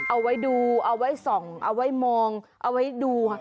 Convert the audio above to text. เอาไว้ดูเอาไว้ส่องเอาไว้มองเอาไว้ดูค่ะ